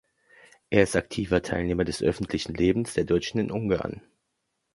Er ist aktiver Teilnehmer des öffentlichen Lebens der Deutschen in Ungarn.